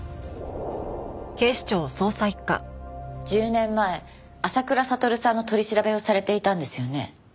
１０年前浅倉悟さんの取り調べをされていたんですよね？